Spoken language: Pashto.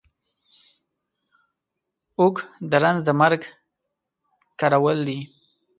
اوږ د رنځ د مرگ کرول دي.